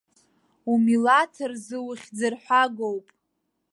Умилаҭ рзы ухьӡырҳәагоуп!